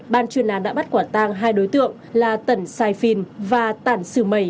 ban chuyên án đã bắt quả tang hai đối tượng là tần sai phin và tản sử mầy